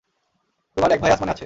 তোমার এক ভাই আসমানে আছে?